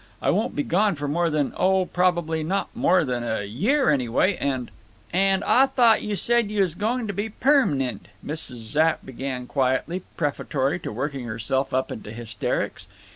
I won't be gone for more than, oh, probably not more than a year anyway, and—" "And Ah thought you said you was going to be perm'nent!" Mrs. Zapp began quietly, prefatory to working herself up into hysterics.